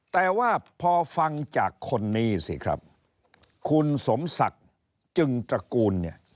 แต่ว่าพอฟังจากคนนี้สิครับคุณสมศักดิ์จึงตระกูลเนี่ย